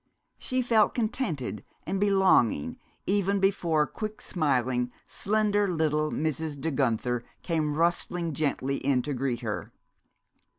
She felt contented and belonging even before quick smiling, slender little Mrs. De Guenther came rustling gently in to greet her.